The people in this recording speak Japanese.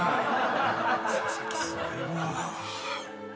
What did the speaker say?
佐々木すごいわ。